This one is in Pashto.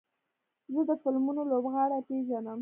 زه د فلمونو لوبغاړي پیژنم.